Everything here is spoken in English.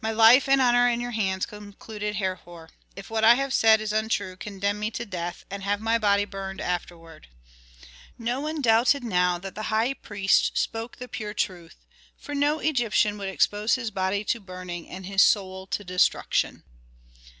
"My life and honor are in your hands," concluded Herhor. "If what I have said is untrue condemn me to death, and have my body burned afterward." No one doubted now that the high priest spoke the pure truth; for no Egyptian would expose his body to burning and his soul to destruction.